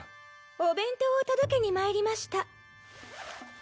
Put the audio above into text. お弁当を届けに参りました。